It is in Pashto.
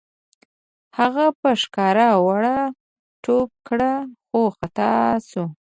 هغه په ښکار ور ټوپ کړ خو خطا شو.